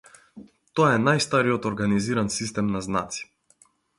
Тоа е најстариот организиран систем на знаци.